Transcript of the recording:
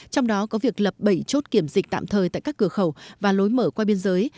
trong đó có việc lập bảy chốt kiểm dịch tạm thời tại các cửa khẩu và lối mở qua biên giới